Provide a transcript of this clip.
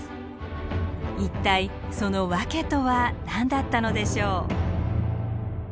一体その訳とは何だったのでしょう？